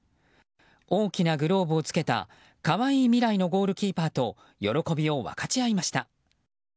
大きなグローブを着けた可愛い未来のゴールキーパーと喜びを分かち合いました。